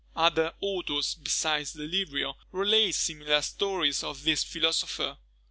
Other authors besides Delrio relate similar stories of this philosopher.